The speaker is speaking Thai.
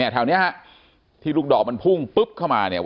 แถวนี้ฮะที่ลูกดอกมันพุ่งปุ๊บเข้ามาเนี่ย